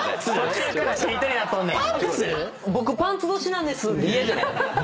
僕パンツ年なんですって嫌じゃない？